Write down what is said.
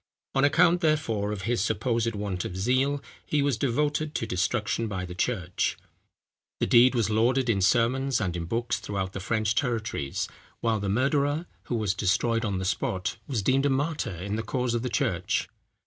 On account, therefore, of his supposed want of zeal, he was devoted to destruction by the church. The deed was lauded in sermons and in books, throughout the French territories; while the murderer, who was destroyed on the spot, was deemed a martyr in the cause of the church.